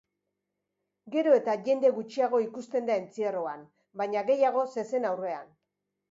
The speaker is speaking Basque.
Gero eta jende gutxiago ikusten da entzierroan, baina, gehiago zezen aurrean.